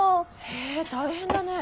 へえ大変だね。